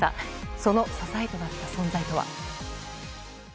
その支えとなった存在とは。